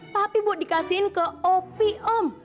tapi buat dikasihin ke op om